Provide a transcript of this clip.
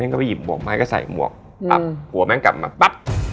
แม่งก็ไปหยิบหมวกไปก็ใส่หมวกหัวแม่งกลับมาปั๊บ